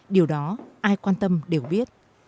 điều đó ai quan tâm đều biết